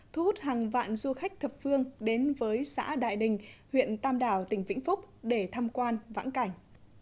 thu hút hàng vạn du khách thập phương đến với xã đại đình huyện tam đảo tỉnh vĩnh phúc để tham quan vãng cảnh